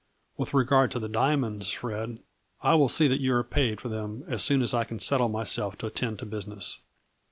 With regard to the diamonds, Fred, I will see that you are paid for them as soon as I can settle myself to attend to business."